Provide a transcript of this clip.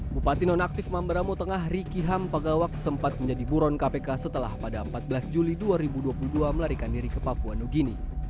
bupati nonaktif mambaramo tengah riki ham pagawak sempat menjadi buron kpk setelah pada empat belas juli dua ribu dua puluh dua melarikan diri ke papua nugini